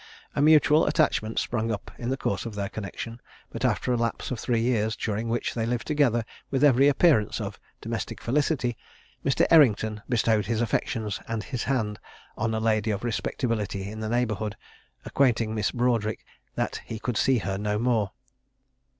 A mutual attachment sprung up in the course of their connexion; but after a lapse of three years, during which they lived together with every appearance of domestic felicity, Mr. Errington bestowed his affections and his hand on a lady of respectability in the neighbourhood, acquainting Miss Broadric that he could see her no more.